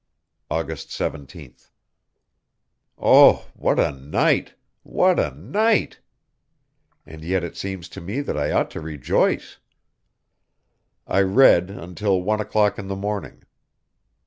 August 17th. Oh! What a night! what a night! And yet it seems to me that I ought to rejoice. I read until one o'clock in the morning!